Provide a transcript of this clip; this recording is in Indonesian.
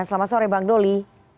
selamat sore bang doli